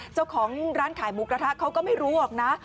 เจ้าของร้านขายหมูกระทะเขาก็ไม่รู้หรอกนะ